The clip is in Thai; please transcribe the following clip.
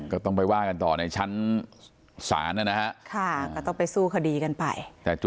ก็ต้องไปว่ากันต่อในชั้นศาลนะฮะก็ต้องไปสู้คดีกันไป